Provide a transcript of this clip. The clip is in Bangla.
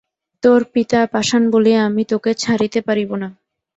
তোর পিতা পাষাণ বলিয়া আমি তোকে ছাড়িতে পারিব না।